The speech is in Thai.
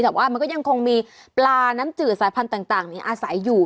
แต่ว่ามันก็ยังคงมีปลาน้ำจืดสายพันธุ์ต่างอาศัยอยู่